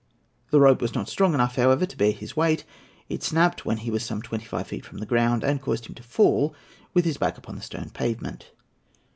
The rope was not strong enough, however, to bear his weight; it snapped when he was some twenty five feet from the ground, and caused him to fall with his back upon the stone pavement.